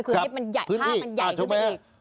คือที่มันใหญ่ภาพมันใหญ่ขึ้นไปอีก